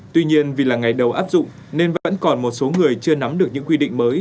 tuy nhiên vì là ngày đầu áp dụng nên vẫn còn một số người chưa nắm được những quy định mới